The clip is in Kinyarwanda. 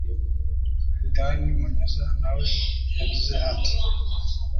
dan munyuza na we yagize ati